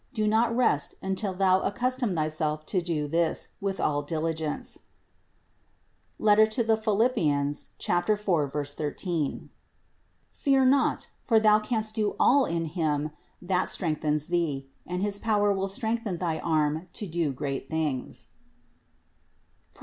Do not rest until thou accustom thyself to do this with all dili gence (Phil. 4, 13). Fear not, for thou canst do all in Him that strengthens thee ; and his power will strengthen thy arm to do great things (Prov.